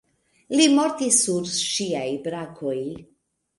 Li mortis sur ŝiaj brakoj.